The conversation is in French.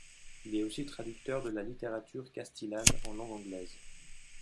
Il est aussi traducteur de la littérature castillane en langue anglaise.